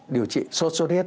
điều trị sốt huyết